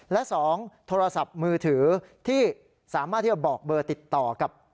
และ๒โทรศัพท์มือถือที่สามารถที่จะบอกเบอร์ติดต่อกับ